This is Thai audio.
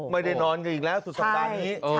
ไม่ได้นอนกันอีกแล้วสุดสัปดาห์นี้